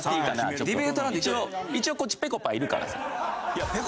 一応一応こっちぺこぱいるからさ。